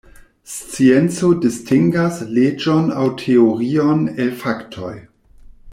Scienco distingas leĝon aŭ teorion el faktoj.